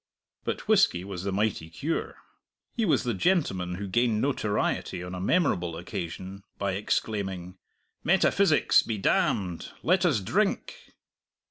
But whisky was the mighty cure. He was the gentleman who gained notoriety on a memorable occasion by exclaiming, "Metaphysics be damned; let us drink!"